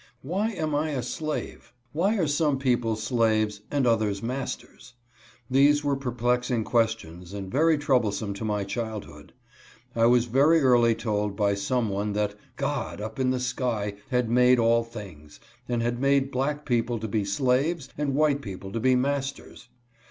Why am I a slave ? Why are some people slaves and others masters ? These were perplexing questions and very troublesome to my childhood. I was very early told by some one that " God up in the sky " had made all things, and had made black people to be slaves and white people to be masters.